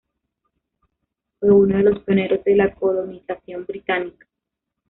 Fue uno de los pioneros de la colonización británica.